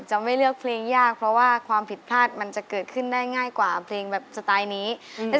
จะไม่เลือกเพลงยากเพราะว่าความผิดพลาดมันจะเกิดขึ้นได้ง่ายกว่าเพลงแบบสไตล์นี้อืม